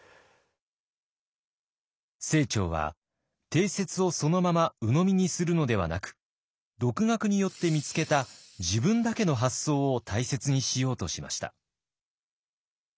清張は定説をそのままうのみにするのではなく独学によって見つけた自分だけの発想を大切にしようとしました。